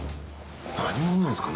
何者なんですかね？